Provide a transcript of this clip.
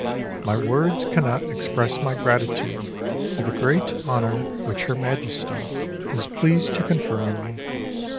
My words cannot express my gratitude for the great honor which Her Majesty is pleased to confer on me.